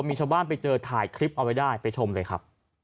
มีชาวบ้านไปเจอถ่ายคลิปเอาไว้ได้ไปชมเลยครับ